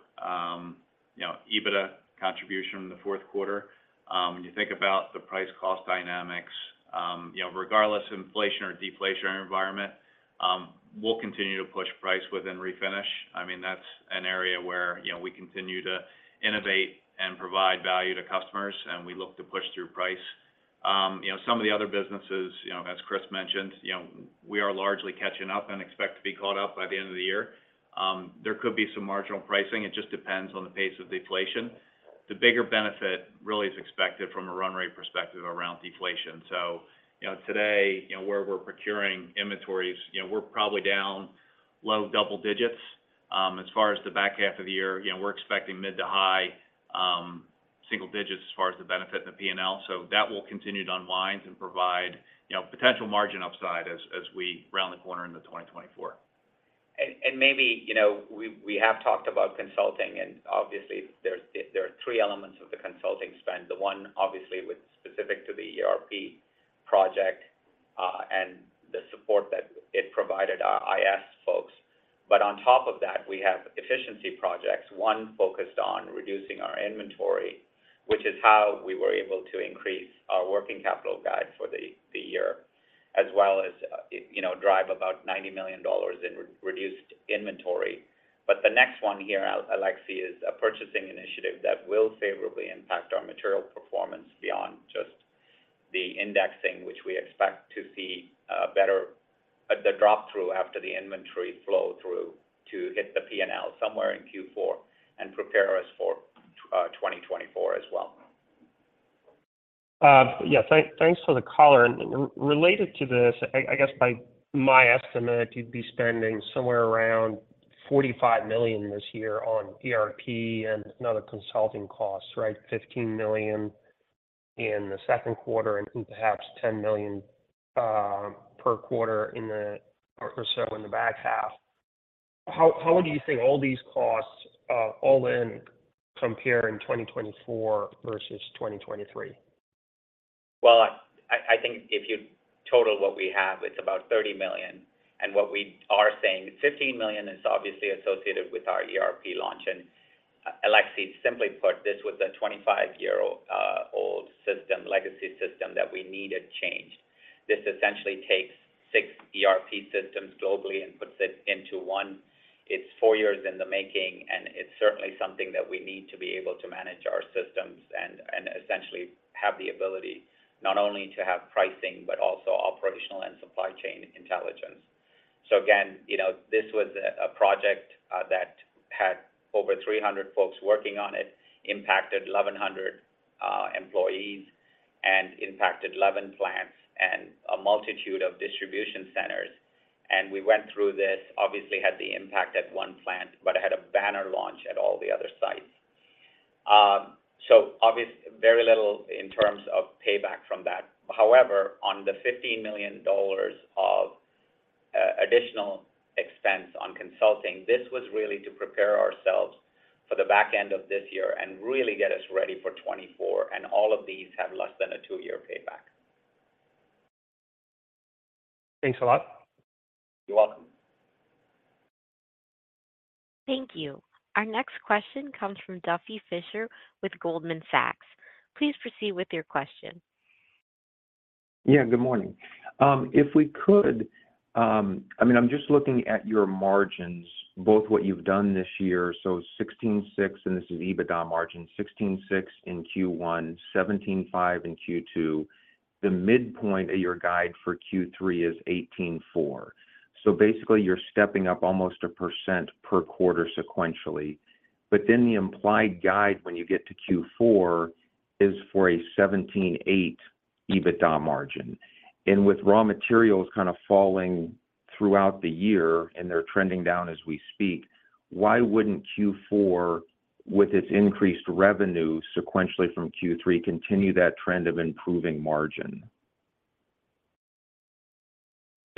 EBITDA contribution in the Q4. When you think about the price cost dynamics regardless of inflation or deflation environment, we'll continue to push price within Refinish. I mean, that's an area where we continue to innovate and provide value to customers, and we look to push through price. some of the other businesses as Chris mentioned we are largely catching up and expect to be caught up by the end of the year. There could be some marginal pricing; it just depends on the pace of deflation. The bigger benefit really is expected from a run rate perspective around deflation. Today where we're procuring inventories we're probably down low double digits. As far as the back half of the year we're expecting mid to high single digits as far as the benefit in the P&L. That will continue to unwind and provide potential margin upside as we round the corner into 2024. maybe we, we have talked about consulting, and obviously there's, there are three elements of the consulting spend. The one, obviously, with specific to the ERP project, and the support that it provided our IS folks. On top of that, we have efficiency projects, one focused on reducing our inventory, which is how we were able to increase our working capital guide for the, the year, as well as drive about $90 million in reduced inventory. The next one here, Alexi, is a purchasing initiative that will favorably impact our material performance beyond just the indexing, which we expect to see better at the drop through after the inventory flow through to hit the P&L somewhere in Q4 and prepare us for 2024 as well. Thanks for the color. Related to this, I guess by my estimate, you'd be spending somewhere around $45 million this year on ERP and other consulting costs, right? $15 million in the Q2 and perhaps $10 million per quarter in the, or so in the back half. How would you say all these costs all in compare in 2024 versus 2023? Well I think if you total what we have, it's about $30 million, and what we are saying, $15 million is obviously associated with our ERP launch. Alexi, simply put, this was a 25-year-old, old system, legacy system that we needed changed. This essentially takes six ERP systems globally and puts it into one. It's four years in the making, and it's certainly something that we need to be able to manage our systems and essentially have the ability not only to have pricing, but also operational and supply chain intelligence. again this was a project, that had over 300 folks working on it, impacted 1,100 employees, and impacted 11 plants and a multitude of distribution centers. We went through this, obviously had the impact at one plant, but it had a banner launch at all the other sites. Obviously, very little in terms of payback from that. However, on the $15 million of additional expense on consulting, this was really to prepare ourselves for the back end of this year and really get us ready for 2024, and all of these have less than a two-year payback. Thanks a lot. You're welcome. Thank you. Our next question comes from Duffy Fischer with Goldman Sachs. Please proceed with your question. Good morning. If we could, I mean, I'm just looking at your margins, both what you've done this year, so 16.6%, and this is EBITDA margin, 16.6% in Q1, 17.5% in Q2. The midpoint of your guide for Q3 is 18.4%. Basically, you're stepping up almost 1% per quarter sequentially. Then the implied guide when you get to Q4 is for a 17.8% EBITDA margin. With raw materials kind of falling throughout the year, and they're trending down as we speak, why wouldn't Q4, with its increased revenue sequentially from Q3, continue that trend of improving margin?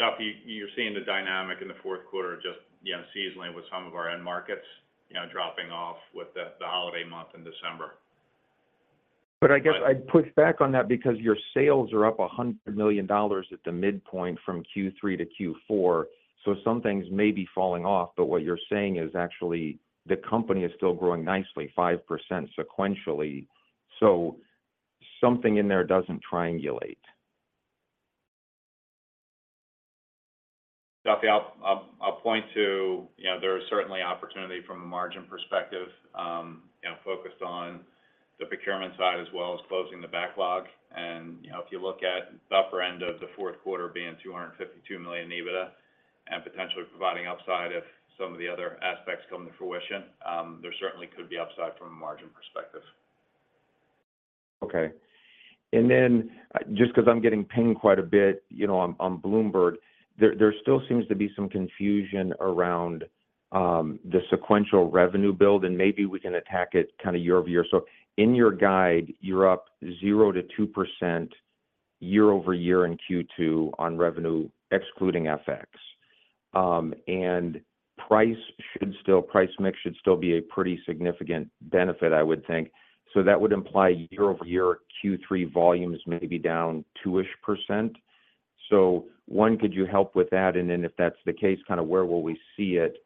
Duffy, you're seeing the dynamic in the Q4, just seasonally with some of our end markets dropping off with the, the holiday month in December. I guess I'd push back on that because your sales are up $100 million at the midpoint from Q3 to Q4, some things may be falling off, but what you're saying is actually the company is still growing nicely, 5% sequentially. Something in there doesn't triangulate. Duffy, I'll, I'll, I'll point to there are certainly opportunity from a margin perspective focused on the procurement side as well as closing the backlog. if you look at the upper end of the Q4 being $252 million EBITDA and potentially providing upside if some of the other aspects come to fruition, there certainly could be upside from a margin perspective. Just because I'm getting pinged quite a bit on Bloomberg, there still seems to be some confusion around the sequential revenue build, and maybe we can attack it kind of year-over-year. In your guide, you're up 0%-2% year-over-year in Q2 on revenue, excluding FX. Price mix should still be a pretty significant benefit, I would think. That would imply year-over-year, Q3 volumes may be down 2%-ish. One, could you help with that? If that's the case, kind of where will we see it?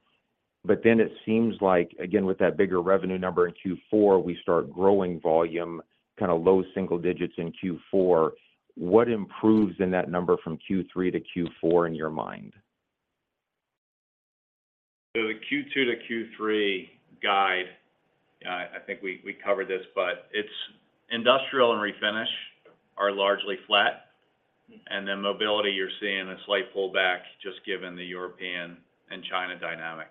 It seems like, again, with that bigger revenue number in Q4, we start growing volume, kind of low single-digits in Q4. What improves in that number from Q3 to Q4 in your mind? The Q2 to Q3 guide, I think we, we covered this, but it's industrial and refinish are largely flat, and then mobility, you're seeing a slight pullback, just given the European and China dynamic.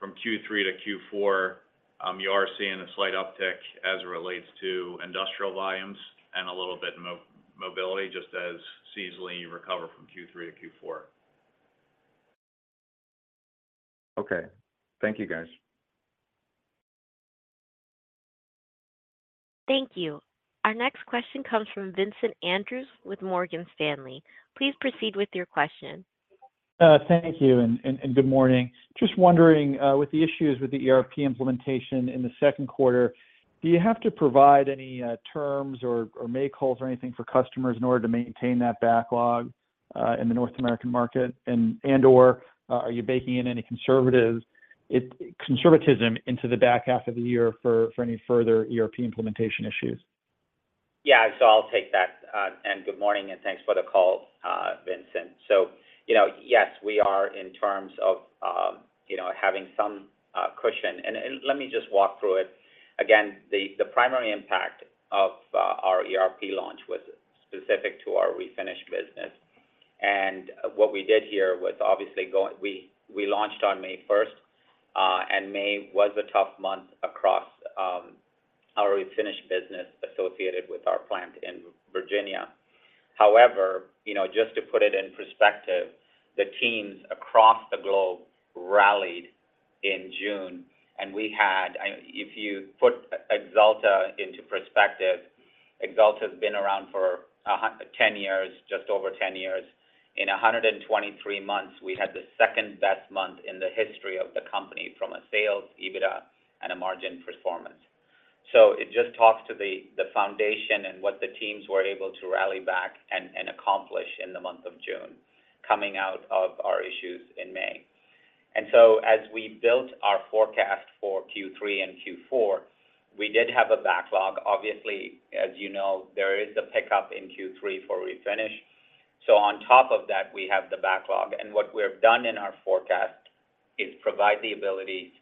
From Q3 to Q4, you are seeing a slight uptick as it relates to industrial volumes and a little bit mobility, just as seasonally, you recover from Q3 to Q4. Okay. Thank you, guys. Thank you. Our next question comes from Vincent Andrews with Morgan Stanley. Please proceed with your question. Thank you, good morning. Just wondering, with the issues with the ERP implementation in the Q2, do you have to provide any terms or make calls or anything for customers in order to maintain that backlog in the North American market? And/or, are you baking in any conservatism into the back half of the year for any further ERP implementation issues? I'll take that, and good morning, and thanks for the call, Vincent. yes, we are in terms of having some cushion. Let me just walk through it. Again, the primary impact of our ERP launch was specific to our refinished business. What we did here was obviously we launched on May 1st, and May was a tough month across our refinished business associated with our plant in Virginia. however just to put it in perspective, the teams across the globe rallied in June, and we had If you put Axalta into perspective, Axalta has been around for 10 years, just over 10 years. In 123 months, we had the second-best month in the history of the company from a sales, EBITDA, and a margin performance. It just talks to the, the foundation and what the teams were able to rally back and, and accomplish in the month of June, coming out of our issues in May. As we built our forecast for Q3 and Q4, we did have a backlog. Obviously, as there is a pickup in Q3 for refinish. On top of that, we have the backlog, and what we've done in our forecast is provide the ability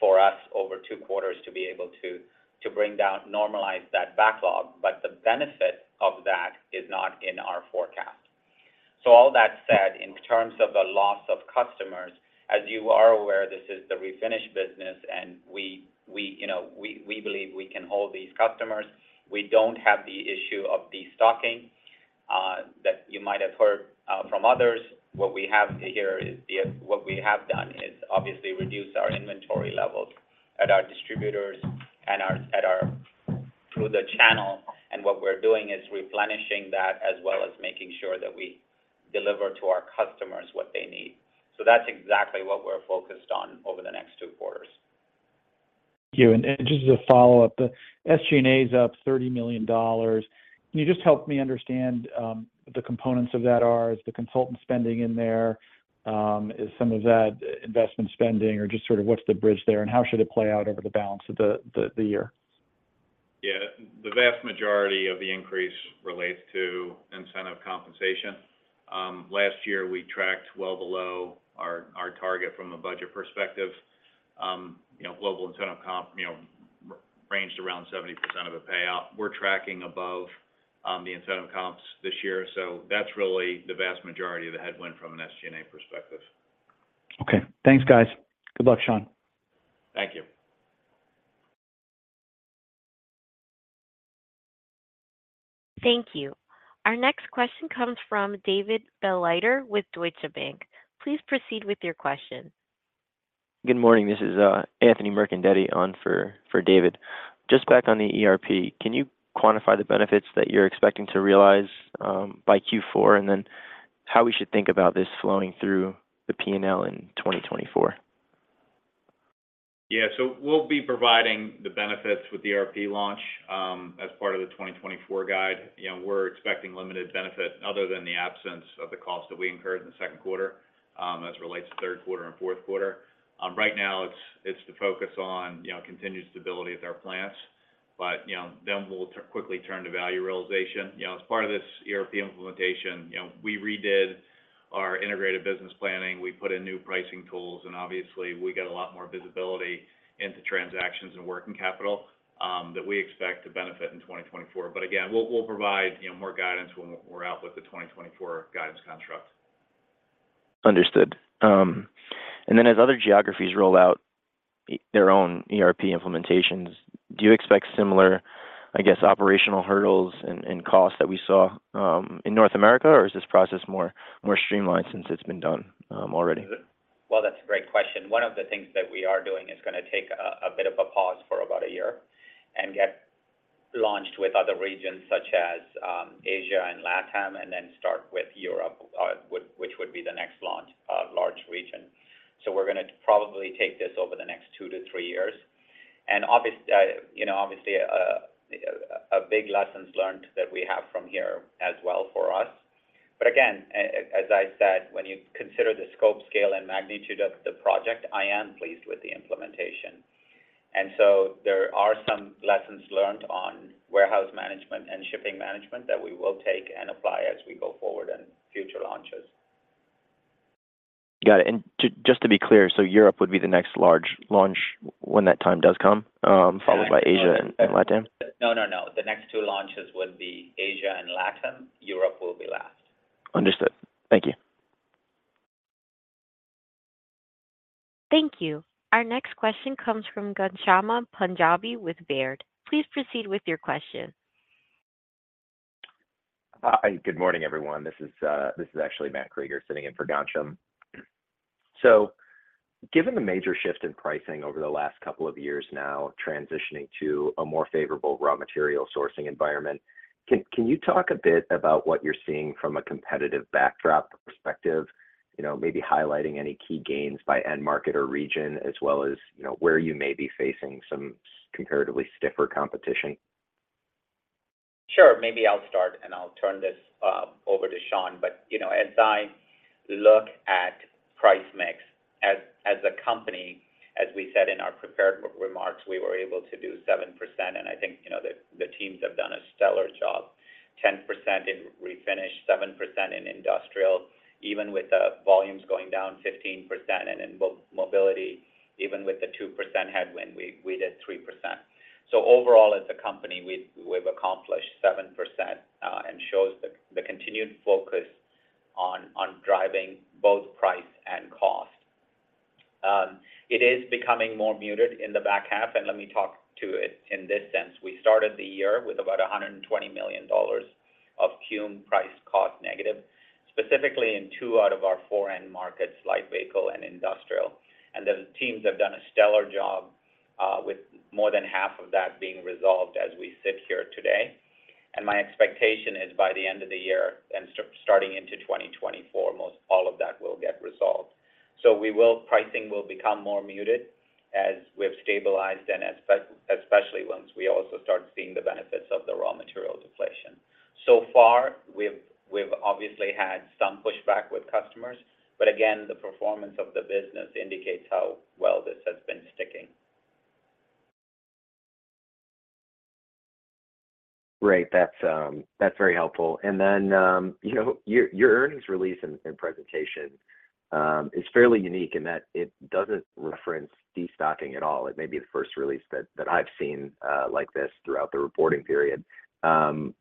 for us over two quarters to be able to, to bring down, normalize that backlog. The benefit of that is not in our forecast. All that said, in terms of the loss of customers, as you are aware, this is the refinish business, and we believe we can hold these customers. We don't have the issue of destocking. that you might have heard from others. What we have done is obviously reduce our inventory levels at our distributors and our, through the channel. What we're doing is replenishing that as well as making sure that we deliver to our customers what they need. That's exactly what we're focused on over the next two quarters. Thank you. Just as a follow-up, the SG&A is up $30 million. Can you just help me understand the components of that are? Is the consultant spending in there, is some of that investment spending or just sort of what's the bridge there, and how should it play out over the balance of the year? The vast majority of the increase relates to incentive compensation. Last year, we tracked well below our, our target from a budget perspective. global incentive comp ranged around 70% of a payout. We're tracking above the incentive comps this year, so that's really the vast majority of the headwind from an SG&A perspective. Okay. Thanks, guys. Good luck, Sean. Thank you. Thank you. Our next question comes from David Begleiter with Deutsche Bank. Please proceed with your question. Good morning. This is Anthony Mercadante on for, for David. Just back on the ERP, can you quantify the benefits that you're expecting to realize by Q4, and then how we should think about this flowing through the P&L in 2024? We'll be providing the benefits with the ERP launch as part of the 2024 guide. we're expecting limited benefit other than the absence of the cost that we incurred in the 2Q, as it relates to 3Q and 4Q. Right now, it's, it's the focus on continued stability at our plants, but then we'll quickly turn to value realization. as part of this ERP implementation we redid our integrated business planning, we put in new pricing tools, and obviously, we get a lot more visibility into transactions and working capital, that we expect to benefit in 2024. Again, we'll, we'll provide more guidance when we're out with the 2024 guidance construct. Understood. Then as other geographies roll out their own ERP implementations, do you expect similar, I guess, operational hurdles and costs that we saw in North America, or is this process more streamlined since it's been done already? Well, that's a great question. One of the things that we are doing is gonna take a bit of a pause for about a year and get launched with other regions such as Asia and LATAM, then start with Europe, which, which would be the next launch, large region. So we're gonna probably take this over the next 2-3 years. Obviously, a big lessons learned that we have from here as well for us. Again, a- as I said, when you consider the scope, scale, and magnitude of the project, I am pleased with the implementation. So there are some lessons learned on warehouse management and shipping management that we will take and apply as we go forward in future launches. Got it. just to be clear, Europe would be the next large launch when that time does come, followed by Asia and LatAm? No, no, no. The next two launches would be Asia and LATAM. Europe will be last. Understood. Thank you. Thank you. Our next question comes from Ghansham Panjabi with Baird. Please proceed with your question. Hi, good morning, everyone. This is, this is actually Matthew Krueger sitting in for Ghansham Panjabi. Given the major shift in pricing over the last couple of years now, transitioning to a more favorable raw material sourcing environment, can, can you talk a bit about what you're seeing from a competitive backdrop perspective? maybe highlighting any key gains by end market or region, as well as where you may be facing some comparatively stiffer competition. Sure. maybe I'll start, I'll turn this over to Sean. as I look at price mix as a company, as we said in our prepared remarks, we were able to do 7%, I think the teams have done a stellar job, 10% in refinish, 7% in industrial, even with the volumes going down 15%. In Mobility, even with the 2% headwind, we did 3%. Overall, as a company, we've accomplished 7%, shows the continued focus on driving both price and cost. It is becoming more muted in the back half, let me talk to it in this sense. We started the year with about $120 million of cum price cost negative, specifically in 2 out of our 4 end markets: light vehicle and industrial. The teams have done a stellar job with more than half of that being resolved as we sit here today. My expectation is by the end of the year and starting into 2024, most all of that will get resolved. We will, pricing will become more muted as we've stabilized and especially once we also start seeing the benefits of the raw material deflation. So far, we've obviously had some pushback with customers, but again, the performance of the business indicates how well this has been sticking. Great. That's very helpful. then your, your earnings release and, and presentation, is fairly unique in that it doesn't reference destocking at all. It may be the first release that, that I've seen, like this throughout the reporting period. can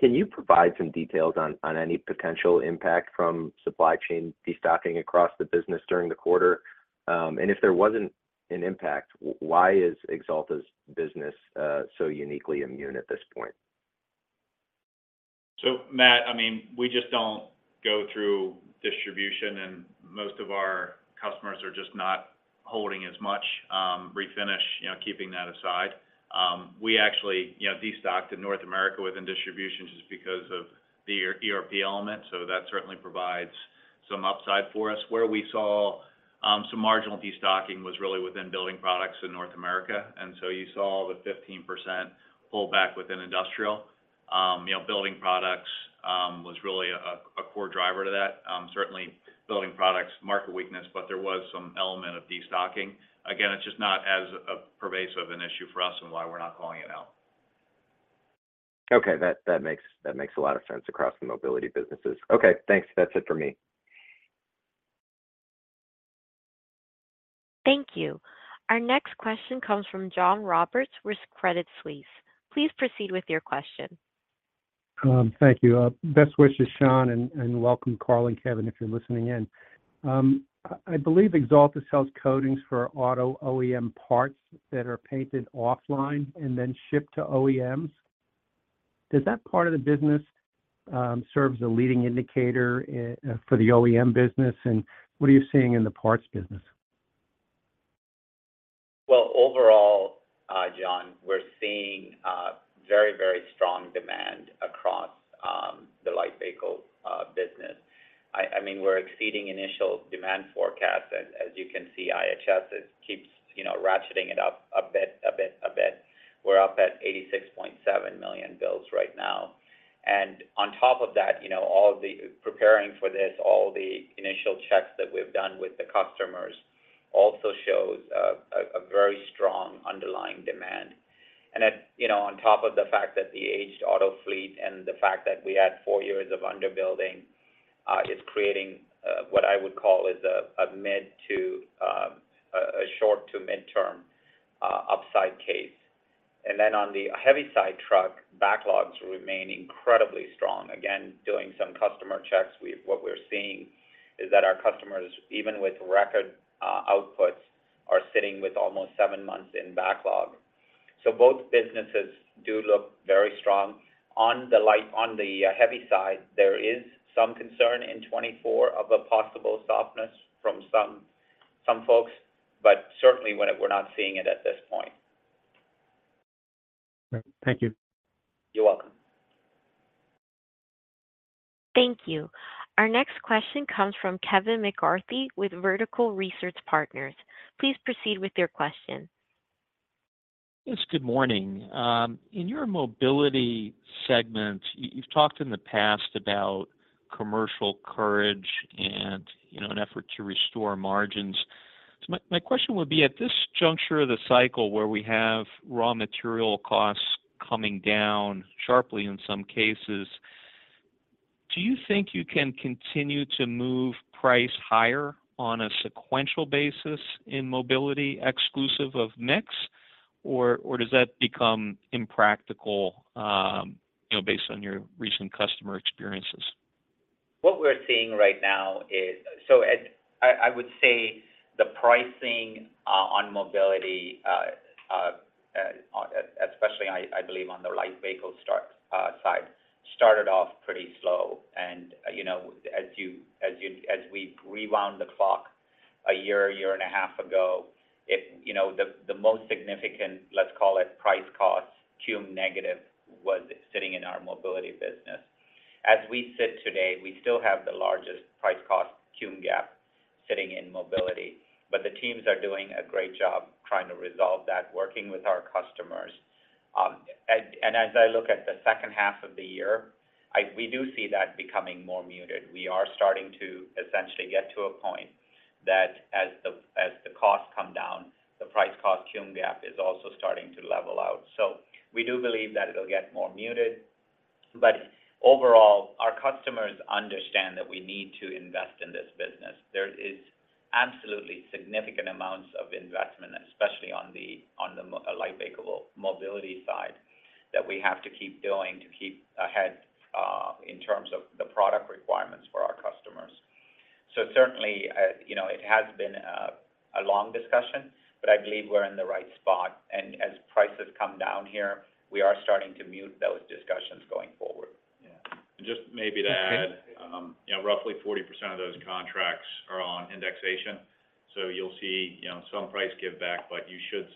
you provide some details on, on any potential impact from supply chain destocking across the business during the quarter? If there wasn't an impact, why is Axalta's business, so uniquely immune at this point? Matt, I mean, we just don't go through distribution, and most of our customers are just not holding as much, refinish keeping that aside. We actually destocked in North America within distribution just because of the ERP element, so that certainly provides some upside for us. Where we saw, some marginal destocking was really within building products in North America, and so you saw the 15% pullback within industrial. building products, was really a core driver to that. Certainly building products, market weakness, but there was some element of destocking. Again, it's just not as a pervasive an issue for us and why we're not calling it out. Okay. That, that makes, that makes a lot of sense across the mobility businesses. Okay, thanks. That's it for me. Thank you. Our next question comes from John Roberts with Credit Suisse. Please proceed with your question. Thank you. Best wishes, Sean, and, and welcome, Carl and Kevin, if you're listening in. I,believe Axalta sells coatings for auto OEM parts that are painted offline and then shipped to OEMs. Does that part of the business serve as a leading indicator for the OEM business? What are you seeing in the parts business? Well, overall, John, we're seeing very, very strong demand across the light vehicle business. I mean, we're exceeding initial demand forecasts. As you can see, IHS is keeps ratcheting it up a bit, a bit, a bit. We're up at 86.7 million builds right now. On top of that all the preparing for this, all the initial checks that we've done with the customers also shows a very strong underlying demand. that on top of the fact that the aged auto fleet and the fact that we had 4 years of underbuilding is creating what I would call is a mid to a short to midterm upside case. Then on the heavy side, truck backlogs remain incredibly strong. Again, doing some customer checks, what we're seeing is that our customers, even with record outputs, are sitting with almost seven months in backlog. Both businesses do look very strong. On the light, on the heavy side, there is some concern in 2024 of a possible softness from some, some folks, certainly we're not seeing it at this point. Thank you. You're welcome. Thank you. Our next question comes from Kevin McCarthy with Vertical Research Partners. Please proceed with your question. Yes, good morning. In your Mobility segment, you've talked in the past about commercial courage and an effort to restore margins. My, my question would be, at this juncture of the cycle where we have raw material costs coming down sharply in some cases, do you think you can continue to move price higher on a sequential basis in Mobility, exclusive of mix, or, or does that become impractical based on your recent customer experiences? What we're seeing right now, I would say the pricing on Mobility, especially I believe on the light vehicle start side, started off pretty slow. as we rewound the clock a year, a year and a half ago, it the, the most significant, let's call it, price cost cum negative, was sitting in our Mobility business. As we sit today, we still have the largest price cost cum gap sitting in Mobility, but the teams are doing a great job trying to resolve that, working with our customers. As I look at the second half of the year, we do see that becoming more muted. We are starting to essentially get to a point that as the costs come down, the price cost cum gap is also starting to level out. We do believe that it'll get more muted, but overall, our customers understand that we need to invest in this business. There is absolutely significant amounts of investment, especially on the light vehicle mobility side, that we have to keep doing to keep ahead, in terms of the product requirements for our customers. certainly it has been a long discussion, but I believe we're in the right spot. As prices come down here, we are starting to mute those discussions going forward. Just maybe to add roughly 40% of those contracts are on indexation. You'll see some price give back, but you should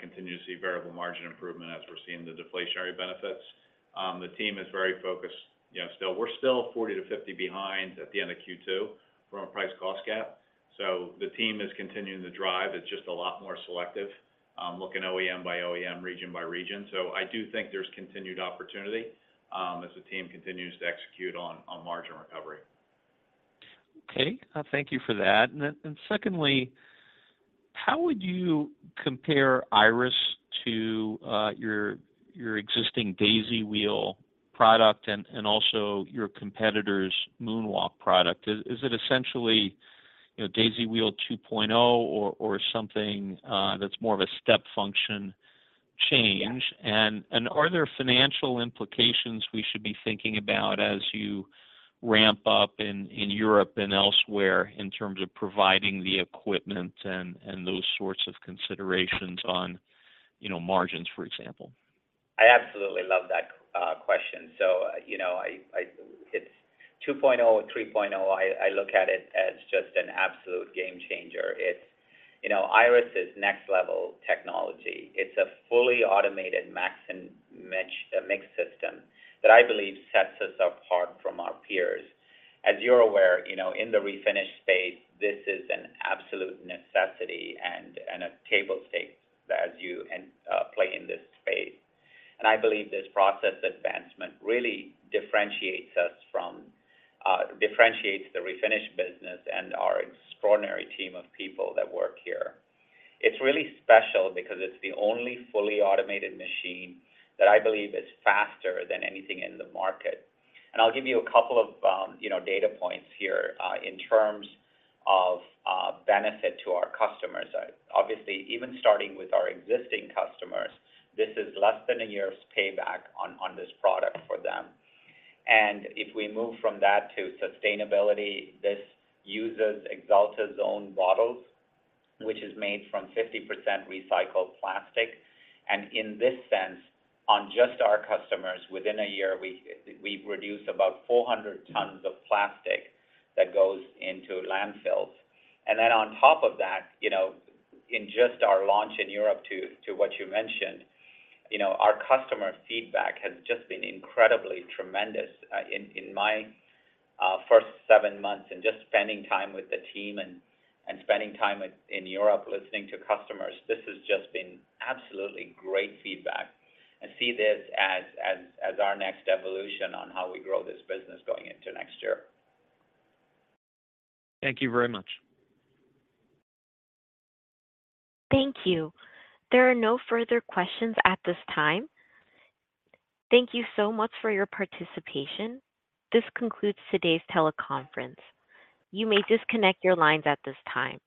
continue to see variable margin improvement as we're seeing the deflationary benefits. The team is very focused. still, we're still 40-50 behind at the end of Q2 from a price cost gap. The team is continuing to drive. It's just a lot more selective, looking OEM by OEM, region by region. I do think there's continued opportunity, as the team continues to execute on, on margin recovery. Okay, thank you for that. Secondly, how would you compare Iriss to your existing Daisy Wheel product and also your competitor's MoonWalk product? Is it essentially Daisy Wheel 2.0 or something that's more of a step function change? Are there financial implications we should be thinking about as you ramp up in Europe and elsewhere in terms of providing the equipment and those sorts of considerations on Iriss? I absolutely love that question. So it's 2.0, 3.0, I look at it as just an absolute game changer. it's Iriss is next level technology. It's a fully automated mix and match mix system that I believe sets us apart from our peers. As you're aware in the refinish space, this is an absolute necessity and, and a table stakes as you, and play in this space. And I believe this process advancement really differentiates us from differentiates the refinish business and our extraordinary team of people that work here. It's really special because it's the only fully automated machine that I believe is faster than anything in the market. And I'll give you a couple of data points here, in terms of benefit to our customers. Obviously, even starting with our existing customers, this is less than a year's payback on, on this product for them. If we move from that to sustainability, this uses Axalta's own bottles, which is made from 50% recycled plastic. In this sense, on just our customers, within a year, we, we've reduced about 400 tons of plastic that goes into landfills. Then on top of that in just our launch in Europe, to, to what you mentioned our customer feedback has just been incredibly tremendous. In my first 7 months and just spending time with the team and, and spending time with, in Europe, listening to customers, this has just been absolutely great feedback. I see this as our next evolution on how we grow this business going into next year. Thank you very much. Thank you. There are no further questions at this time. Thank you so much for your participation. This concludes today's teleconference. You may disconnect your lines at this time.